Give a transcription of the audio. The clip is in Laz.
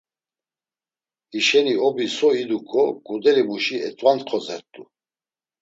Hişeni Obi so iduǩo ǩudelimuşi eǩvantxozert̆u.